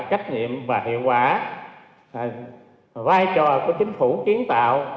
trách nhiệm và hiệu quả vai trò của chính phủ kiến tạo